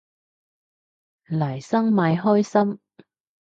黎生咪開心